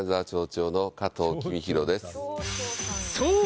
そう！